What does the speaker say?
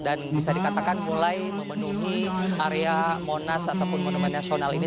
dan bisa dikatakan mulai memenuhi area monas ataupun monumen nasional ini